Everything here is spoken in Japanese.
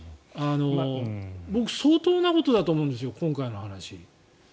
僕、相当なことだと思うんですよ、今回の話。